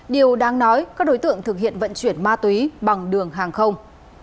điều đáng nói các đối tượng thực hiện vận chuyển ma túy bằng đường hàng không